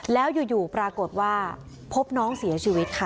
แล้วอยู่ปรากฏว่าพบน้องเสียชีวิตค่ะ